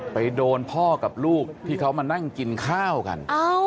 ไปโดนพ่อกับลูกที่เขามานั่งกินข้าวกัน